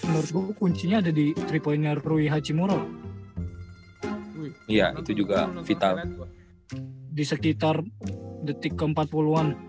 menurutku kuncinya ada di tripoinnya rui hachimura iya itu juga vital di sekitar detik ke empat puluh an